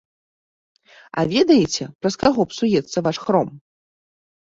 А ведаеце, праз каго псуецца ваш хром?